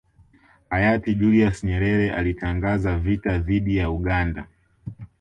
Hayati Julius Nyerere alitangaza vita dhidi ya Uganda